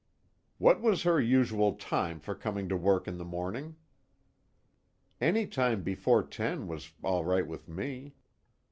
"What was her usual time for coming to work in the morning?" "Any time before ten was all right with me.